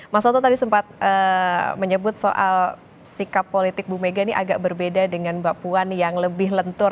mas toto tadi sempat menyebut soal sikap politik bu mega ini agak berbeda dengan mbak puan yang lebih lentur